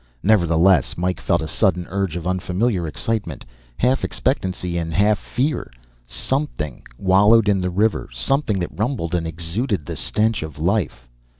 Nevertheless, Mike felt a sudden surge of unfamiliar excitement, half expectancy and half fear. Something wallowed in the river; something that rumbled and exuded the stench of life.